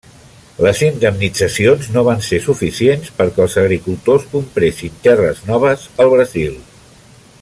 Les indemnitzacions no van ser suficients perquè els agricultors compressin terres noves al Brasil.